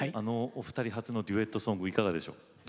お二人初のデュエットソングいかがでしょうか。